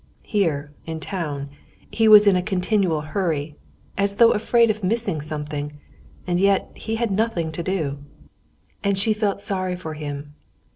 Here in town he was in a continual hurry, as though afraid of missing something, and yet he had nothing to do. And she felt sorry for him.